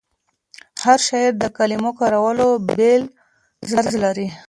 هر شاعر د کلمو کارولو بېل طرز لري.